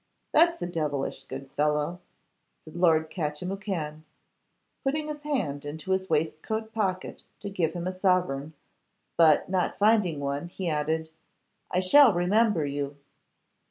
'That's a devilish good fellow,' said Lord Catchimwhocan, putting his hand into his waistcoat pocket to give him a sovereign; but not finding one, he added, 'I shall remember you.